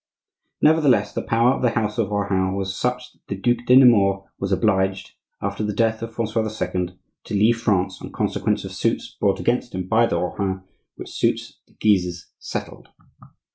Nevertheless, the power of the house of Rohan was such that the Duc de Nemours was obliged, after the death of Francois II., to leave France on consequence of suits brought against him by the Rohans; which suits the Guises settled.